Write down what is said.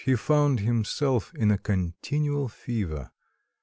He found himself in a continual fever.